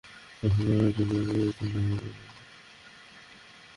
তিনিসহ আরও তিনজনকে বিভিন্ন মেয়াদে দেওয়া দণ্ডাদেশের কার্যকারিতাও স্থগিত করা হয়েছে।